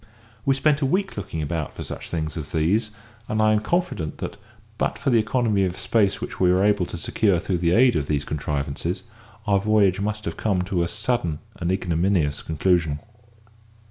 We spent a week looking about for such things as these, and I am confident that, but for the economy of space which we were able to secure through the aid of these contrivances, our voyage must have come to a sudden and ignominious conclusion.